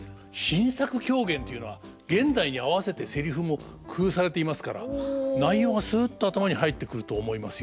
新作狂言というのは現代に合わせてセリフも工夫されていますから内容がすっと頭に入ってくると思いますよ。